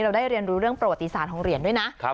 ได้เรียนรู้เรื่องประวัติศาสตร์ของเหรียญด้วยนะ